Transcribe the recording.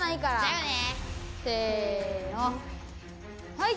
はい！